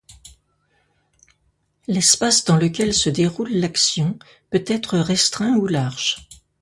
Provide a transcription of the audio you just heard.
L'espace dans lequel se déroule l'action peut être restreint ou large.